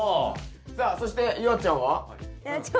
さあそして夕空ちゃんは？